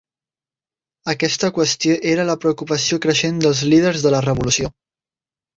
Aquesta qüestió era la preocupació creixent dels líders de la Revolució.